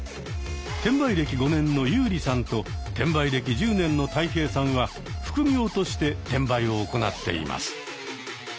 転売歴５年のユーリさんと転売歴１０年のタイヘイさんは副業として転売を行っています。